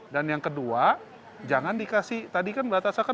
dan yang kedua jangan dikasih tadi kan mbak tasha mau